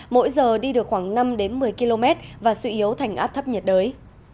mỗi giờ đi được khoảng năm một mươi km và suy yếu thành áp thấp nhiệt đới